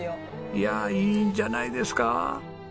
いやいいんじゃないですか。